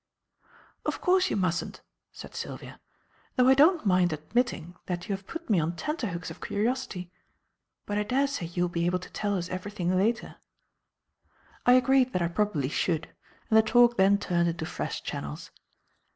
"Of course you mustn't," said Sylvia; "though I don't mind admitting that you have put me on tenterhooks of curiosity. But I daresay you will be able to tell us everything later." I agreed that I probably should; and the talk then turned into fresh channels.